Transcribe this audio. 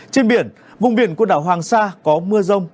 trên biển vùng biển quần đảo hoàng sa có mưa rông